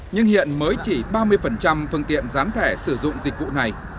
nhưng hiện mới chỉ ba mươi phương tiện gián thẻ sử dụng dịch vụ này